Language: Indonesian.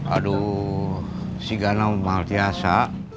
aduh si ganau maltiasa